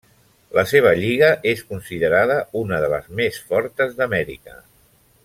La seva lliga és considerada una de les més fortes d'Amèrica.